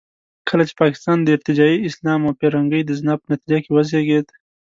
کله چې پاکستان د ارتجاعي اسلام او پیرنګۍ د زنا په نتیجه کې وزېږېد.